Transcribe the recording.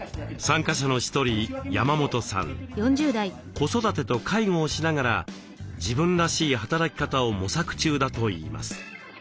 子育てと介護をしながら自分らしい働き方を模索中だといいます。